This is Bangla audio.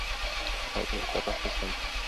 আজ দেখলুম তাঁর অস্ত্রচালনা।